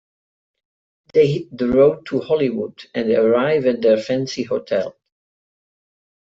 They hit the road to Hollywood and arrive at their fancy hotel.